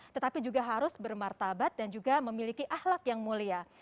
tetapi juga harus bermartabat dan juga memiliki ahlak yang mulia